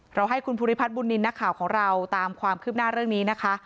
ให้คุณภูริพัฒนบุญนินทร์นักข่าวของเราตามความคืบหน้าเรื่องนี้นะคะ